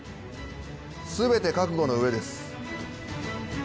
全て覚悟の上です。